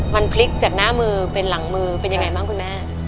มันพลิกจากหน้ามือเป็นหลังมือเป็นยังไงบ้างคุณแม่